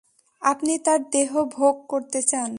আপনি তার দেহ ভোগ করতে চান।